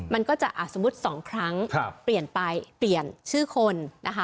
มันก็จะสมมุติ๒ครั้งเปลี่ยนไปเปลี่ยนชื่อคนนะคะ